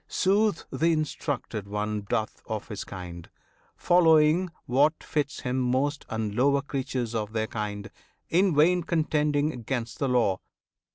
'Sooth, the instructed one Doth of his kind, following what fits him most: And lower creatures of their kind; in vain Contending 'gainst the law.